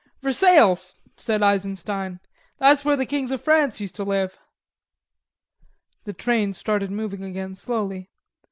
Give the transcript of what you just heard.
"Versales," said Eisenstein. "That's where the kings of France used to live." The train started moving again slowly.